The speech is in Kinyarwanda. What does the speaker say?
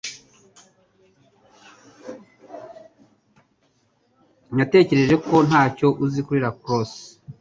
Natekereje ko ntacyo uzi kuri lacrosse